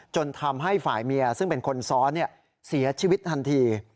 จนทำให้ฝ่ายเมียซึ่งเป็นคนซ้อนเสียชีวิตทันที